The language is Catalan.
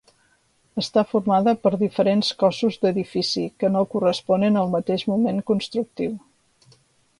Està formada per diferents cossos d'edifici que no corresponen al mateix moment constructiu.